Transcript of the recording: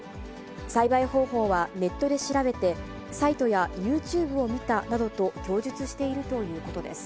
栽培方法はネットで調べて、サイトやユーチューブを見たなどと供述しているということです。